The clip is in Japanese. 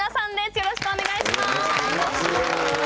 よろしくお願いします。